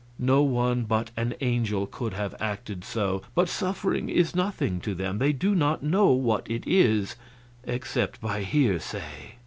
No one but an angel could have acted so; but suffering is nothing to them; they do not know what it is, except by hearsay.